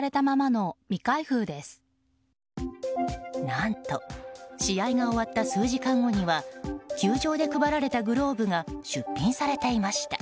何と試合が終わった数時間後には球場で配られたグローブが出品されていました。